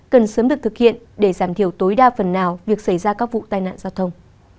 cần sớm được thực hiện để giảm thiểu tối đa phần nào việc xảy ra các vụ tai nạn giao thông